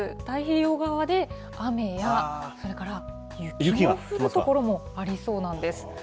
太平洋側で雨や、それから雪の降る所もありそうなんです。